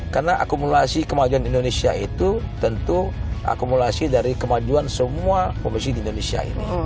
karena akumulasi kemajuan indonesia itu tentu akumulasi dari kemajuan semua provinsi di indonesia ini